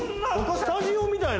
スタジオみたいな。